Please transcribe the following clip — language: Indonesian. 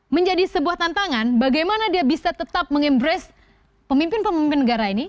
menjadi sebuah tantangan bagaimana dia bisa tetap meng embres pemimpin pemimpin negara ini